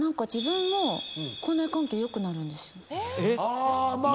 あまあまあ。